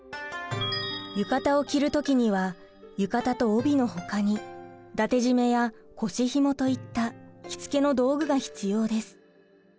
浴衣を着る時には浴衣と帯のほかに伊達締めや腰ひもといった着付けの道具が必要です。